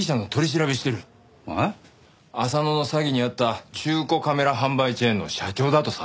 浅野の詐欺にあった中古カメラ販売チェーンの社長だとさ。